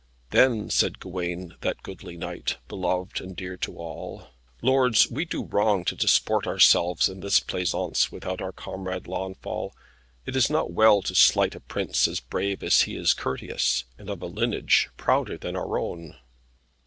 Then said Gawain, that goodly knight, beloved and dear to all, "Lords, we do wrong to disport ourselves in this pleasaunce without our comrade Launfal. It is not well to slight a prince as brave as he is courteous, and of a lineage prouder than our own."